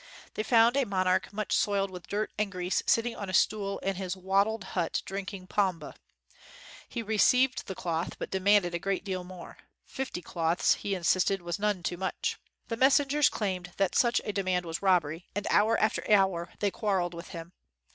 They found a monarch much soiled with dirt and grease sitting on a stool in his wattled hut drinking pombe. He received the cloth, but de manded a great deal more. Fifty cloths, he insisted was none too much. The mes sengers claimed that such a demand was rob bery and hour after hour they quarreled with him.